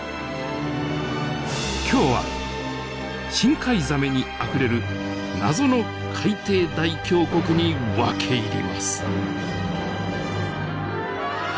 今日は深海ザメにあふれる謎の海底大峡谷に分け入ります。